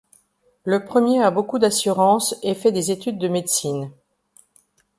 Le premier a beaucoup d'assurance et fait des études de médecine.